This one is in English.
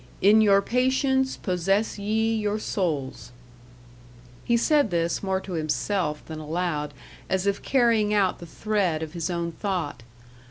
'IN YOUR PATIENCE POSSESS YE YOUR SOULS.'" He said this, more to himself than aloud, as if carrying out the thread of his own thought.